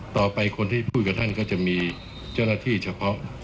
ต่อไปคนที่พูดกับท่านก็จะมีเจ้าหน้าที่เฉพาะ